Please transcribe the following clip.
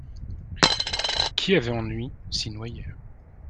Qui avait ennui, s’y noyait.